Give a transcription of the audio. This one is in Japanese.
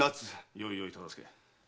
よいよい忠相。